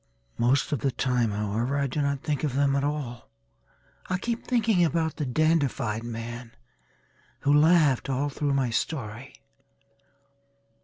Most of the time however I do not think of them at all. I keep thinking about the dandified man who laughed all through my story.